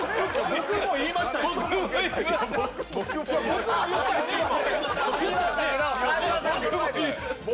僕も言ったよね、今。